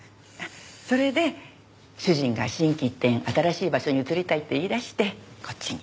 それで主人が心機一転新しい場所に移りたいって言い出してこっちに。